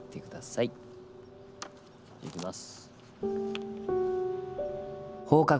いきます。